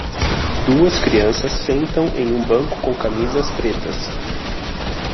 duas crianças sentam em um banco com camisas pretas